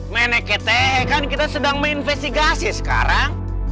menakte kan kita sedang menginvestigasi sekarang